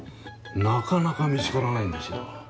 なかなか見つからないんですよ。